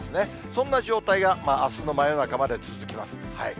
そんな状態が、あすの真夜中まで続きます。